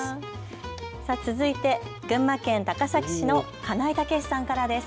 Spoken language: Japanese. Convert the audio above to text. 続いて群馬県高崎市の金井猛さんからです。